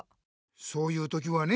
そういうときはね